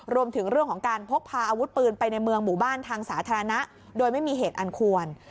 รวมถึงเรื่องของการพกพาอาวุธปืนไปในเมืองหมู่บ้านทางสาธารณะโดยไม่มีเหตุอันควร